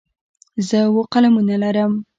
زه اووه قلمونه لرم.